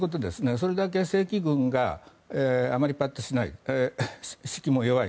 それだけ正規軍があまりパッとしない士気も弱い。